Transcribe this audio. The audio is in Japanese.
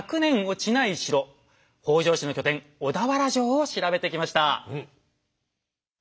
北条氏の拠点小田原城を調べてきました！